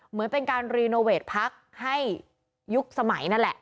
เหมือนเป็นการรีโนเวทพักให้ยุคสมัยนั่นแหละ